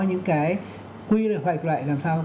những cái quy hoạch loại làm sao